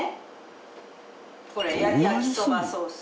これ焼きそばソース。